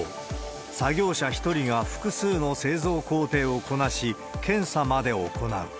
作業者１人が複数の製造工程をこなし、検査まで行う。